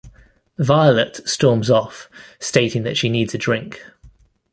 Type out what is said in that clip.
Violet storms off, stating that she needs a drink.